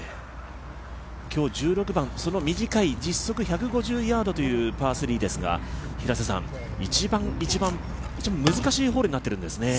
今日１６番、短い、実測１５０ヤードというパー３ですが、一番難しいホールになっているんですね。